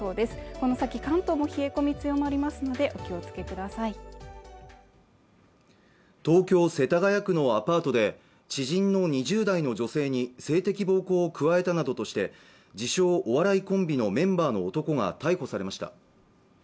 この先関東も冷え込み強まりますのでお気をつけください東京・世田谷区のアパートで知人の２０代の女性に性的暴行を加えたなどとして自称お笑いコンビのメンバーの男が逮捕されました